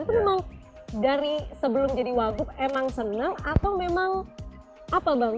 itu memang dari sebelum jadi wagub emang seneng atau memang apa bang